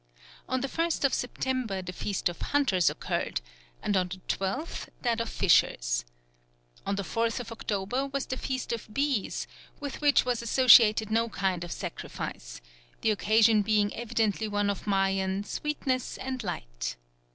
On the 1st of September the feast of hunters occurred, and on the 12th that of fishers. On the 4th of October was the feast of bees, with which was associated no kind of sacrifice; the occasion being evidently one of Mayan "sweetness and light."